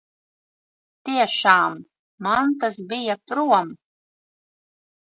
Tiešām, mantas bija prom.